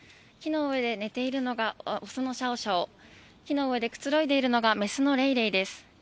木の上で寝ているのが、雄のシャオシャオ、木の上でくつろいでいるのが雌のレイレイです。